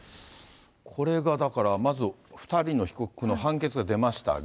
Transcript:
これがだから、まず２人の被告の判決が出ましたが。